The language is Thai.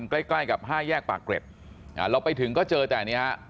ใกล้กับ๕แยกปากเกร็ดเราไปถึงก็เจอแต่นี้